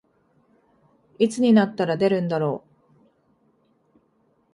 いつになったら出るんだろう